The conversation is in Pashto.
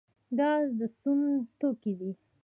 ګاز د سون توکی دی